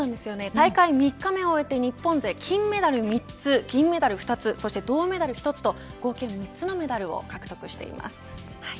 大会３日目を終えて日本勢金メダル３つ銀メダル２つそして銅メダル１つと合計３つのメダルを獲得しています。